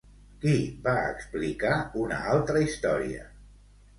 Qui va explicar una altra història?